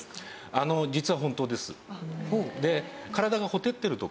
あの実は本当です。